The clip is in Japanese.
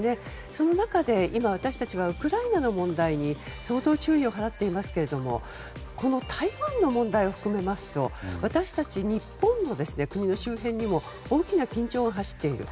その中で、今、私たちはウクライナンの問題に相当注意を払っていますが台湾の問題を含めますと私たち日本も国の周辺にも大きな緊張が走っている。